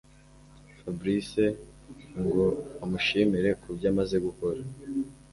fabric ngo amushimire kubyo amaze gukora